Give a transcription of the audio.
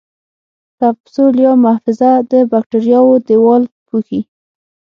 کپسول یا محفظه د باکتریاوو دیوال پوښي.